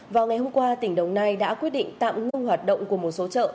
vào ngày hôm qua tỉnh đồng nai đã quyết định tạm ngưng hoạt động của một số chợ